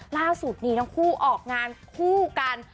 ล่าสุดนี้ทั้งคู่ออกงานคู่กัน